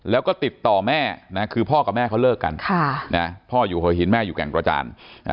แล้วก็ติดต่อแม่นะคือพ่อกับแม่เขาเลิกกันพ่ออยู่หัวหินแม่อยู่แก่งกระจาน